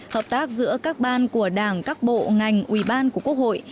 hợp tác giữa các ban của đảng các bộ ngành ủy ban của quốc hội